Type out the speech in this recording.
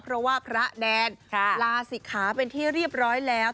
เพราะว่าพระแดนลาศิกขาเป็นที่เรียบร้อยแล้ว